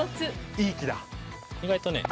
いい木だ。